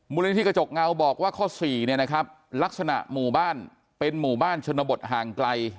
มุลินิธิกระจกเงาบอกว่าข้อ๔ลักษณะหมู่บ้านเป็นหมู่บ้านชนบทห่างไกล